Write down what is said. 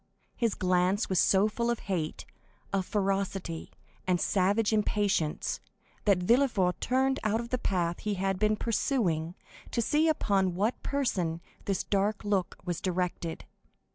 His glance was so full of hate, of ferocity, and savage impatience, that Villefort turned out of the path he had been pursuing, to see upon what person this dark look was directed.